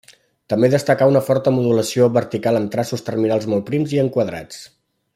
També destacar una forta modulació vertical amb traços terminals molt prims i enquadrats.